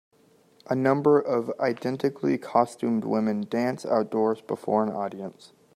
A number of identically costumed women dance outdoors before an audience.